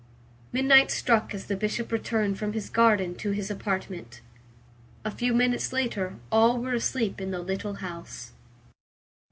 Midnight struck as the Bishop returned from his garden to his apartment. A few minutes later all were asleep in the little house.